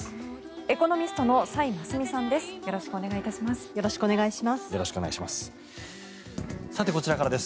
エコノミストの崔真淑さんです。